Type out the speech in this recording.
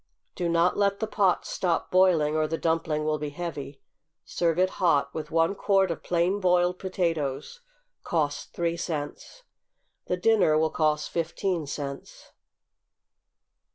Do not let the pot stop boiling, or the dumpling will be heavy. Serve it hot, with one quart of plain boiled potatoes, (cost three cents.) The dinner will cost fifteen cents.